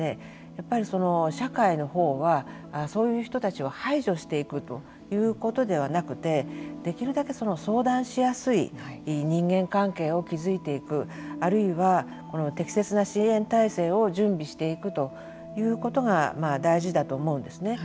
やっぱり、社会のほうはそういう人たちを排除していくということではなくてできるだけ相談しやすい人間関係を築いていくあるいは適切な支援体制を準備していくということが大事だと思うんですね。